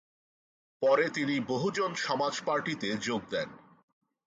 পরে তিনি বহুজন সমাজ পার্টিতে যোগ দেন।